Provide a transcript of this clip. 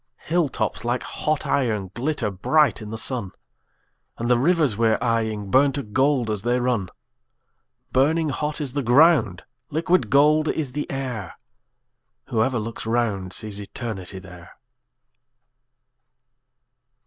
Hill tops like hot iron glitter bright in the sun, And the rivers we're eying burn to gold as they run; Burning hot is the ground, liquid gold is the air; Whoever looks round sees Eternity there.